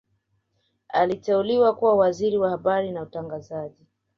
Aliteuliwa kuwa Waziri wa Habari na Utangazaji